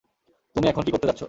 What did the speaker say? তুমি এখন কী করতে যাচ্ছ?